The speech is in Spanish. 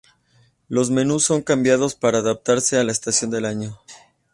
Los menús son cambiados para adaptarse a la estación del año.